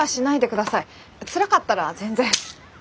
つらかったら全然。